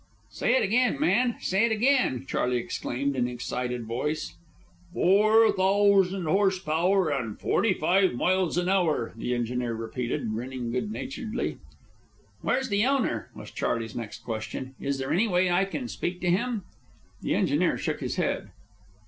"Say it again, man! Say it again!" Charley exclaimed in an excited voice. "Four thousand horse power and forty five miles an hour," the engineer repeated, grinning good naturedly. "Where's the owner?" was Charley's next question. "Is there any way I can speak to him?" The engineer shook his head.